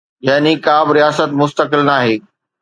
يعني ڪا به رياست مستقل ناهي.